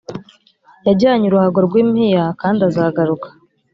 yajyanye uruhago rw impiya kandi azagaruka